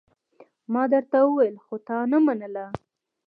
ما درته وويل خو تا نه منله!